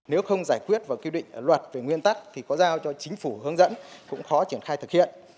nếu không giải quyết và quy định luật về nguyên tắc thì có giao cho chính phủ hướng dẫn cũng khó triển khai thực hiện